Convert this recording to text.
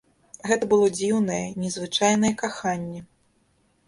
Гэта было дзіўнае, незвычайнае каханне.